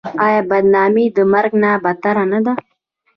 آیا بدنامي د مرګ نه بدتره نه ده؟